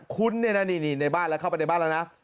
คุณเนี่ยนะนี่ในบ้านแล้วเข้าไปในบ้านแล้วนะ